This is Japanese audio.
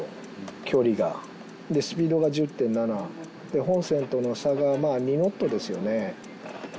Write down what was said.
距離がでスピードが１０．７で本船との差がまぁ２ノットですよね